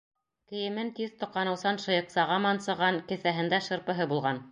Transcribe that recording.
Кейемен тиҙ тоҡаныусан шыйыҡсаға мансыған, кеҫәһендә шырпыһы булған.